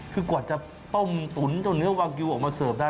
คือกว่าจะต้มตุ๋นเจ้าเนื้อวากิวออกมาเสิร์ฟได้